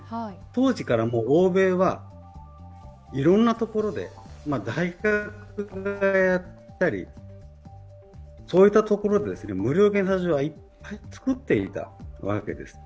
当時から欧米はいろんなところで大学がやったり、そういうところで無料検査場はいっぱい作っていたわけです。